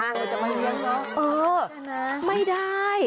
เออไม่ได้